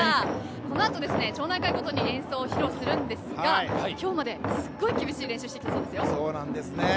このあと、町内会ごとに演奏を披露するんですが今日まですごい厳しい練習をしてきたそうですよ。